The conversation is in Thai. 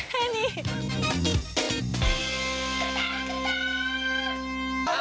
เฮ้คุณแม่นี่